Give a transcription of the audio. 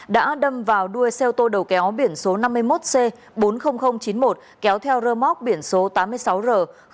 đã đâm vào đuôi xeo tô đầu kéo biển số năm mươi một c bốn mươi nghìn chín mươi một kéo theo rơ móc biển số tám mươi sáu r bốn trăm chín mươi hai